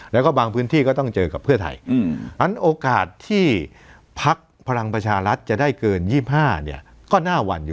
แล้วก็บางพื้นที่ก็ต้องเจอกับเพื่อไทยอันโอกาสที่พักพลังประชารัฐจะได้เกิน๒๕เนี่ยก็น่าหวั่นอยู่